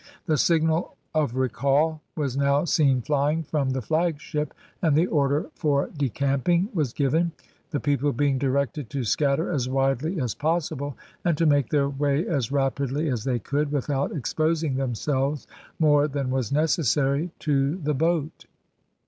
The signal of recall was now seen flying from the flagship, and the order for decamping was given, the people being directed to scatter as widely as possible, and to make their way as rapidly as they could, without exposing themselves more than was necessary, to the boat.